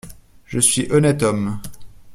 Je suis honnête homme.